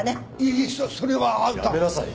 えそっそれは。やめなさい。